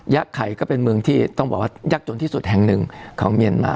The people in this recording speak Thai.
ไข่ก็เป็นเมืองที่ต้องบอกว่ายากจนที่สุดแห่งหนึ่งของเมียนมา